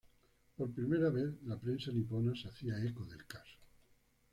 Por primera vez la prensa nipona se hacía eco del caso.